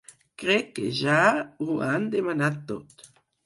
Crec que ja ho han demanat tot.